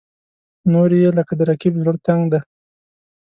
نورې یې لکه د رقیب زړه تنګ دي.